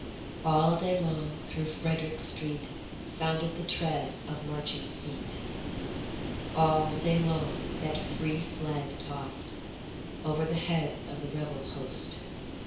All day long through Frederick streetSounded the tread of marching feet:All day long that free flag tostOver the heads of the rebel host.